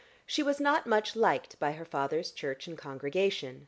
She was not much liked by her father's church and congregation.